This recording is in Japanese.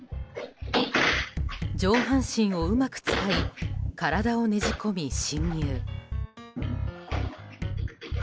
上半身をうまく使い体をねじ込み侵入。